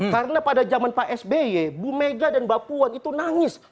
karena pada zaman pak sby bu mega dan bu puan itu nangis